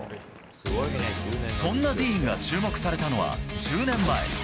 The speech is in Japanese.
そんなディーンが注目されたのは１０年前。